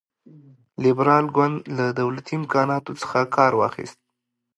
لېبرال ګوند له دولتي امکاناتو څخه کار واخیست.